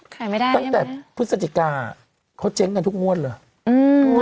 ขายไม่ได้ตั้งแต่พฤศจิกาเขาเจ๊งกันทุกงวดเลยอืม